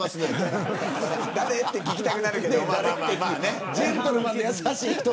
誰って聞きたくなるけど。